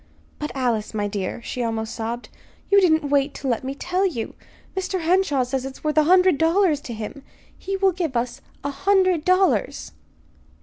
"But, Alice, my dear," she almost sobbed. "You didn't wait to let me tell you. Mr. Henshaw says it is worth a hundred dollars to him. He will give us a hundred dollars."